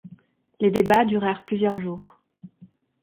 Les débats durèrent plusieurs jours.